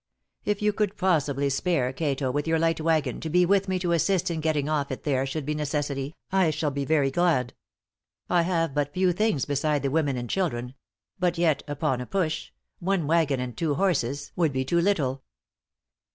If you could possibly spare Cato, with your light wagon, to be with me to assist in getting off if there should be necessity, I shall be very glad. I have but few things beside the women and children; but yet, upon a push, one wagon and two horses would be too little."